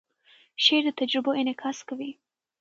شعر د تجربو انعکاس کوي.